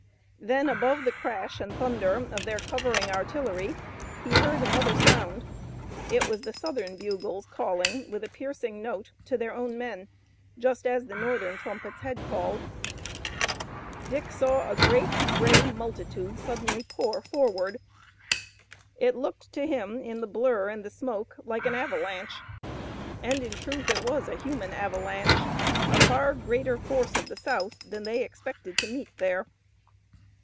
Then above the crash and thunder of their covering artillery he heard another sound. It was the Southern bugles calling with a piercing note to their own men just as the Northern trumpets had called. Dick saw a great gray multitude suddenly pour forward. It looked to him in the blur and the smoke like an avalanche, and in truth it was a human avalanche, a far greater force of the South than they expected to meet there.